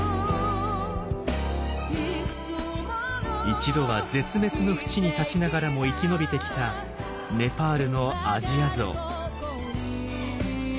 一度は絶滅の淵に立ちながらも生き延びてきたネパールのアジアゾウ。